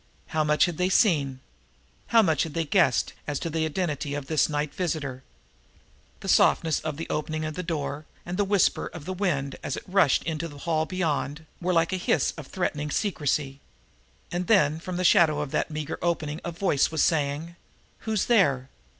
How much had they seen? How much had they guessed as to the identity of this night visitor? The softness of the opening of the door and the whisper of the wind, as it rushed into the hall beyond, were like a hiss of threatening secrecy. And then, from the shadow of that meager opening a voice was saying: "Who's there?"